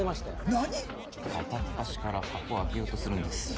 何⁉片っ端から箱開けようとするんです。